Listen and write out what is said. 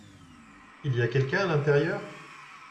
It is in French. Il y a quelqu'un à l'intérieur ?